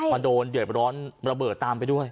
มาโดนเดือดร้อนระเบิดตามไปด้วย